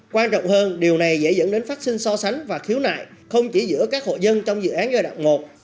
quan trọng hơn điều này dễ dẫn đến phát sinh so sánh và khiếu nại không chỉ giữa các hộ dân trong dự án giai đoạn một